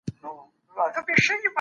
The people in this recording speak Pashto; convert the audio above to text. زه باید ټول پیغامونه په خوندي ډول وساتم.